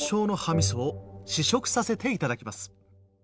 みそを試食させていただきます。